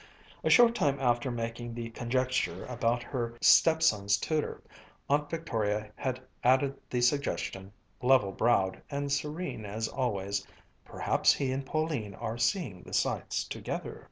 A short time after making the conjecture about her stepson's tutor, Aunt Victoria had added the suggestion, level browed, and serene as always, "Perhaps he and Pauline are seeing the sights together."